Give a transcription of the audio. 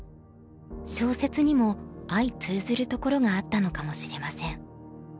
小説にも相通ずるところがあったのかもしれません。